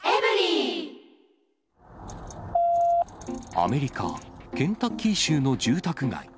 アメリカ・ケンタッキー洲の住宅街。